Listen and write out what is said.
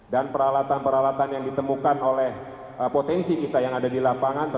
dan peralatan peralatan yang ditemukan oleh potensi kita yang ada di lapangan